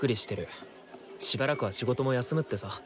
しばらくは仕事も休むってさ。